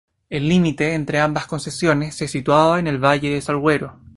El límite entre ambas concesiones se situaba en el valle de Salguero.